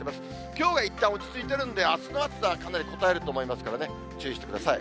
きょうがいったん落ち着いてるんで、あすの暑さはかなりこたえると思いますからね、注意してください。